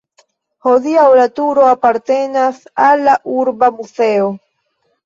Hodiaŭ la turo apartenas al la urba muzeo.